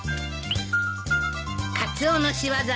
カツオの仕業ね。